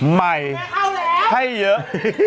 ใหม่ให้เยอะ